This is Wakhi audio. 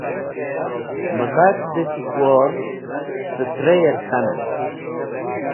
Mẽdhag dẽ Khikwor streyer k̃hanen.